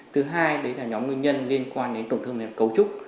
thứ hai đấy là nhóm nguyên nhân liên quan đến tổn thương về cấu trúc